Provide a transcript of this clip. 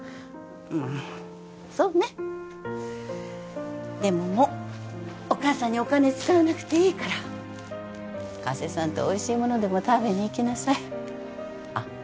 そうねでももうお母さんにお金使わなくていいから加瀬さんとおいしいものでも食べに行きなさいあっ